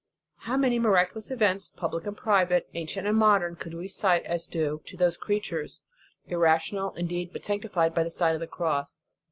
How many miraculous events, public and private, ancient and modern, could we cite as due to those creatures; irrational, indeed, but sanctified by the Sign of the Cross.